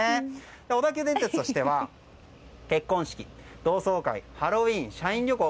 小田急電鉄としては結婚式、同窓会ハロウィーン、社員旅行